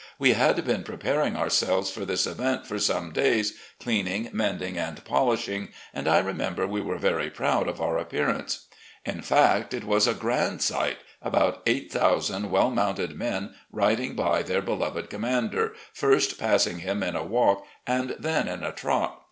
We had been preparing ourselves for this event for some days, cleaning, mending and polishing, and I remember we were very proud of our appearance. 96 RECOLLECTIONS OF GENERAL LEE In fact, it was a grand sight — ^about eight thousand well mounted men riding by their beloved commander, first passing him in a walk and then in a trot.